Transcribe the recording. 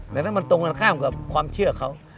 ดังนั้นมันตรงกันข้ามกับความเชื่อเขา